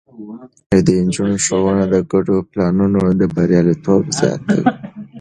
د نجونو ښوونه د ګډو پلانونو برياليتوب زياتوي.